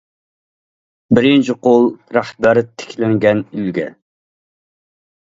بىرىنچى قول رەھبەر تىكلەنگەن ئۈلگە.